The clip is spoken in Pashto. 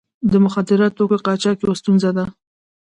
د مخدره توکو قاچاق یوه ستونزه ده.